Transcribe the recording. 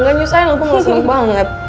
nggak nyesel gue ga seneng banget